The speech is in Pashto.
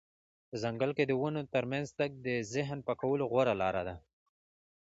په ځنګل کې د ونو ترمنځ تګ د ذهن د پاکولو غوره لاره ده.